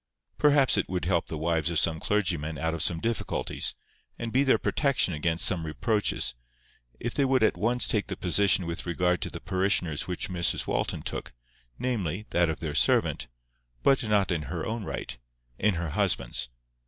Perhaps it would help the wives of some clergymen out of some difficulties, and be their protection against some reproaches, if they would at once take the position with regard to the parishioners which Mrs Walton took, namely, that of their servant, but not in her own right—in her husband's.